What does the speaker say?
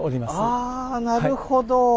ああなるほど。